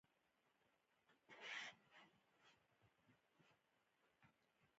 همېشه د خپل ځان څخه پوښتني وکړئ.